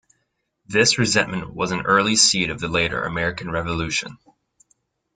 This resentment was an early seed of the later American Revolution.